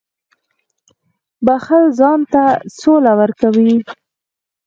• بښل ځان ته سوله ورکوي.